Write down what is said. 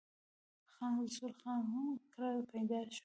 خان رسول خان کره پيدا شو ۔